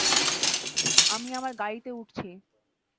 আমি আমার গাড়িতে উঠছি!